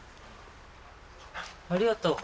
ありがとう。